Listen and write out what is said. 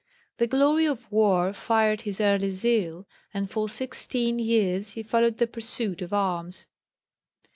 The glory of war fired his early zeal, and for sixteen years he followed the pursuit of arms.